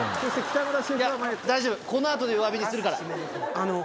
大丈夫、このあとで弱火にすあの。